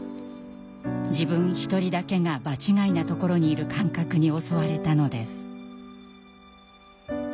自分ひとりだけが場違いなところにいる感覚に襲われたのです。